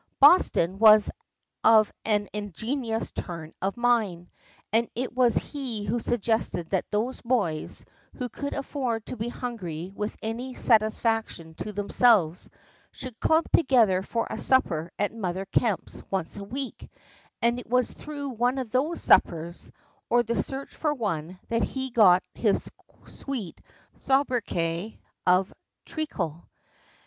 Boston was of an ingenious turn of mind, and it was he who suggested that those boys, who could afford to be hungry with any satisfaction to themselves, should club together for a supper at Mother Kemp's once a week; and it was through one of these suppers, or the search for one, that he got his sweet sobriquet of "Treacle."